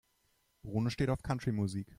Bruno steht auf Country-Musik.